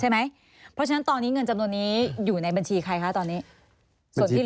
เพราะฉะนั้นตอนนี้เงินจำนวนนี้อยู่ในบัญชีใครคะตอนนี้